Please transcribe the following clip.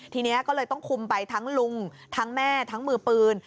ทีนี้ก็เลยต้องคุมไปทั้งลุงทั้งแม่ทั้งมือปืน